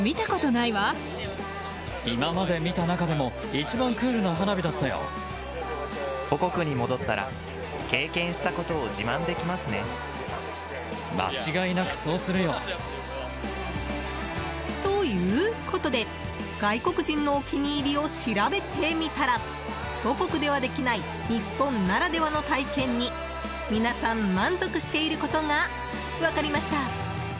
日本の花火、気に入りましたか？ということで、外国人のお気に入りを調べてみたら母国ではできない日本ならではの体験に皆さん満足していることが分かりました。